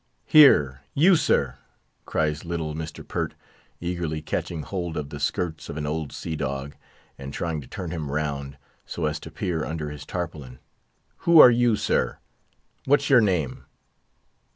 "Here, you, sir!" cries little Mr. Pert eagerly catching hold of the skirts of an old sea dog, and trying to turn him round, so as to peer under his tarpaulin. "Who are you, sir? What's your name?"